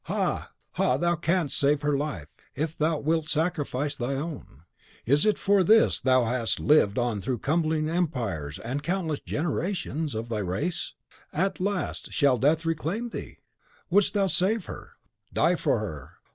"Ha! ha! thou canst save her life, if thou wilt sacrifice thine own! Is it for this thou hast lived on through crumbling empires and countless generations of thy race? At last shall Death reclaim thee? Wouldst thou save her? DIE FOR HER!